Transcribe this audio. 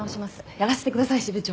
やらせてください支部長！